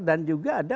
dan juga ada